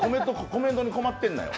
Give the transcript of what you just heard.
コメントに困ってんなよ。